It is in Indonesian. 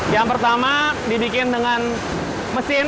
yang pertama dibikin dengan mesin